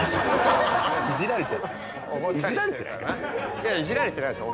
いやイジられてないですよ。